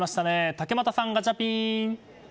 竹俣さん、ガチャピン。